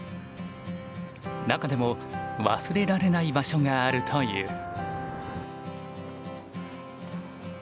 中でも忘れられない場所があるという。